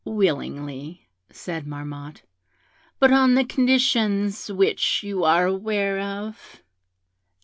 'Willingly,' said Marmotte; 'but on the conditions which you are aware of.'